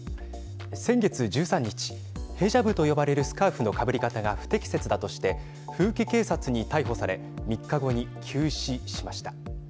先月１３日ヘジャブと呼ばれるスカーフのかぶり方が不適切だとして風紀警察に逮捕され３日後に急死しました。